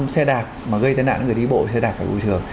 xe đạp mà gây tai nạn người đi bộ thì xe đạp phải bồi thường